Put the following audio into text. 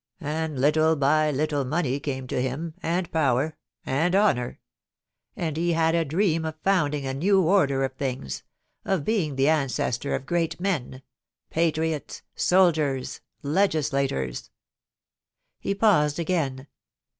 ... LAST WORDS. 419 And little by little money came to him, and power, and honour ; and he had a dream of founding a new order of things, of being the ancestor of great men — patriots — soldiers — legislators.' He paused again.